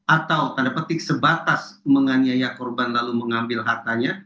atau tanda petik sebatas menganiaya korban lalu mengambil hartanya